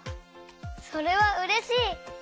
それはうれしい！